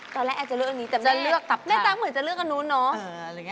ตอนแรกแอจะเลือกอันนี้แต่แม่ตั๊กเหมือนจะเลือกอันนู้นเนอะ